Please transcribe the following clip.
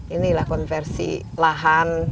inilah konversi lahan